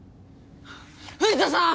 藤田さん！？